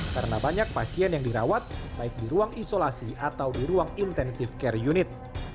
karena banyak pasien yang dirawat baik di ruang isolasi atau di ruang intensif care unit